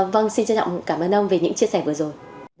vâng xin trân trọng cảm ơn ông về những chia sẻ vừa rồi